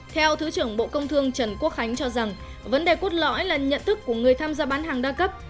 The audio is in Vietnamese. theo thứ trưởng bộ công thương trần quốc khánh cho rằng vấn đề cốt lõi là nhận thức của người tham gia bán hàng đa cấp